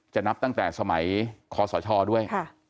นับตั้งแต่สมัยคอสชด้วย